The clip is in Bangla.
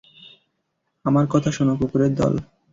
আমার কথা শোন, কুকুরের দল।